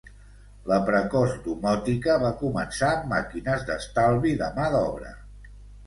La precoç domòtica va començar amb màquines d'estalvi de mà d'obra.